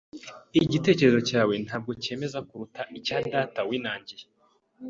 Igitekerezo cyawe ntabwo cyemeza kuruta icya data winangiye.